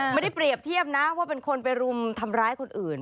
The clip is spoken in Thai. ไม่ได้เปรียบเทียบนะว่าเป็นคนไปรุมทำร้ายคนอื่น